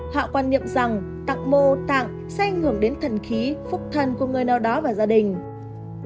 họ quan niệm rằng tạng mô tạng sẽ ảnh hưởng đến thần khí phúc thần của người nào đó và gia đình